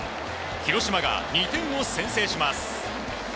広島が２点を先制します。